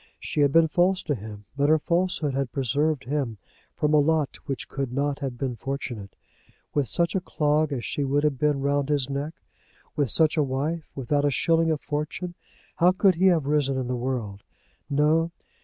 She had been false to him; but her falsehood had preserved him from a lot which could not have been fortunate. With such a clog as she would have been round his neck, with such a wife, without a shilling of fortune, how could he have risen in the world? No!